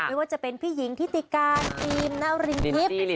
ไม่ว่าจะเป็นพี่หญิงทิติการทีมนารินทิพย์